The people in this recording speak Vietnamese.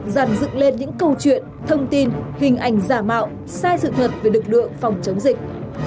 dàn dựng lên những câu chuyện thông tin hình ảnh giả mạo sai sự thật về lực lượng phòng chống dịch